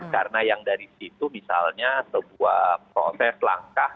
karena yang dari situ misalnya sebuah proses langkah